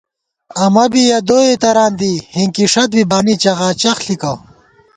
امہ بی یَہ دوئےتران دِی ہِنکِی ݭَت بی بانی چغاچغ ݪِکہ